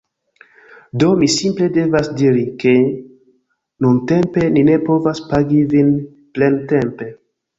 Do, mi simple devas diri, ke nuntempe ni ne povas pagi vin plentempe